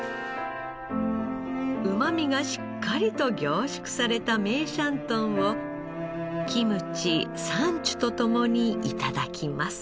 うまみがしっかりと凝縮された梅山豚をキムチサンチュと共に頂きます。